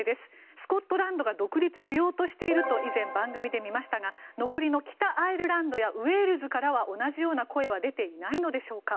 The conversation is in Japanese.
スコットランドが独立しようとしていると以前、番組で見ましたが残りの北アイルランドやウェールズからは同じような声は出ていないのでしょうか。